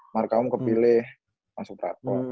marka um ke pilih masuk prapon